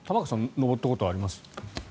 登ったことあります？